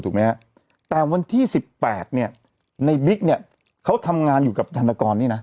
ไหมฮะแต่วันที่สิบแปดเนี่ยในบิ๊กเนี่ยเขาทำงานอยู่กับธนกรนี่นะ